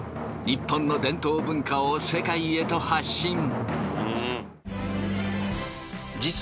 ニッポンの伝統文化を世界へと発信。